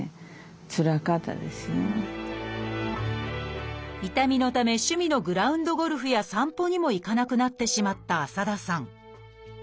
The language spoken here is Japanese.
もう本当に痛みのため趣味のグラウンドゴルフや散歩にも行かなくなってしまった浅田さん。